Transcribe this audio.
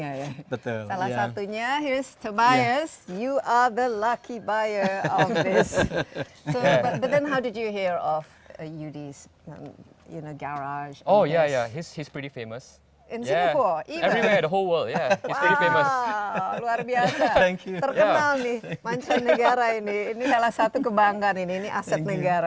ada nama khusus yang terhubung ke mobil